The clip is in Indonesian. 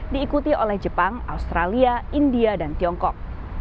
diikuti oleh jepang australia india dan tiongkok